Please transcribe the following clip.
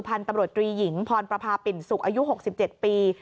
พันธุ์ตำรวจตรีหญิงพรประพาปิ่นสุกอายุ๖๗ปี